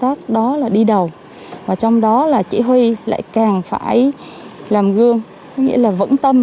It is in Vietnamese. an đi đầu và trong đó là chỉ huy lại càng phải làm gương nghĩa là vẫn tâm